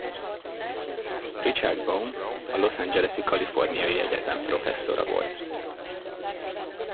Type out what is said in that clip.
Richard Baum a Los Angeles-i Kaliforniai Egyetem professzora volt.